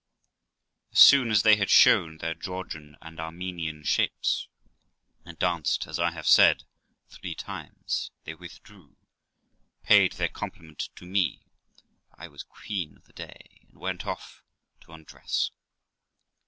, As soon as they had shown their Georgian and Armenian shapes, and danced, as I have said, three times, they withdrew, paid their compliment to me (for I was queen of the day), and went off to undress.